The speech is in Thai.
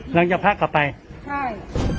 แล้วจะพักกลับไปใช่